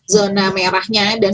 zona merahnya dan